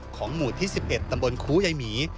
ของหมู่ที่๑๑ตำบลคูยายหมี